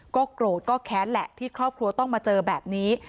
ก็โกรธก็แค้นแหละที่ครอบครัวต้องมาเจอแบบนี้